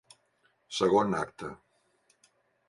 Segon acte.